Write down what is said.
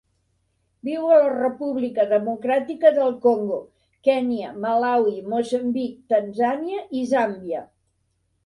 Viu a la República Democràtica del Congo, Kenya, Malawi, Moçambic, Tanzània i Zàmbia.